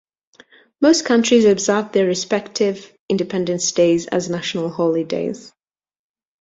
Most countries observe their respective independence days as national holidays.